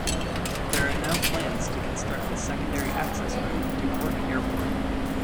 There are now plans to construct a secondary access route to Cork Airport.